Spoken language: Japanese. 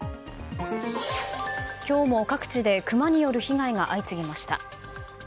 今日も各地でクマによる被害が相次ぎました。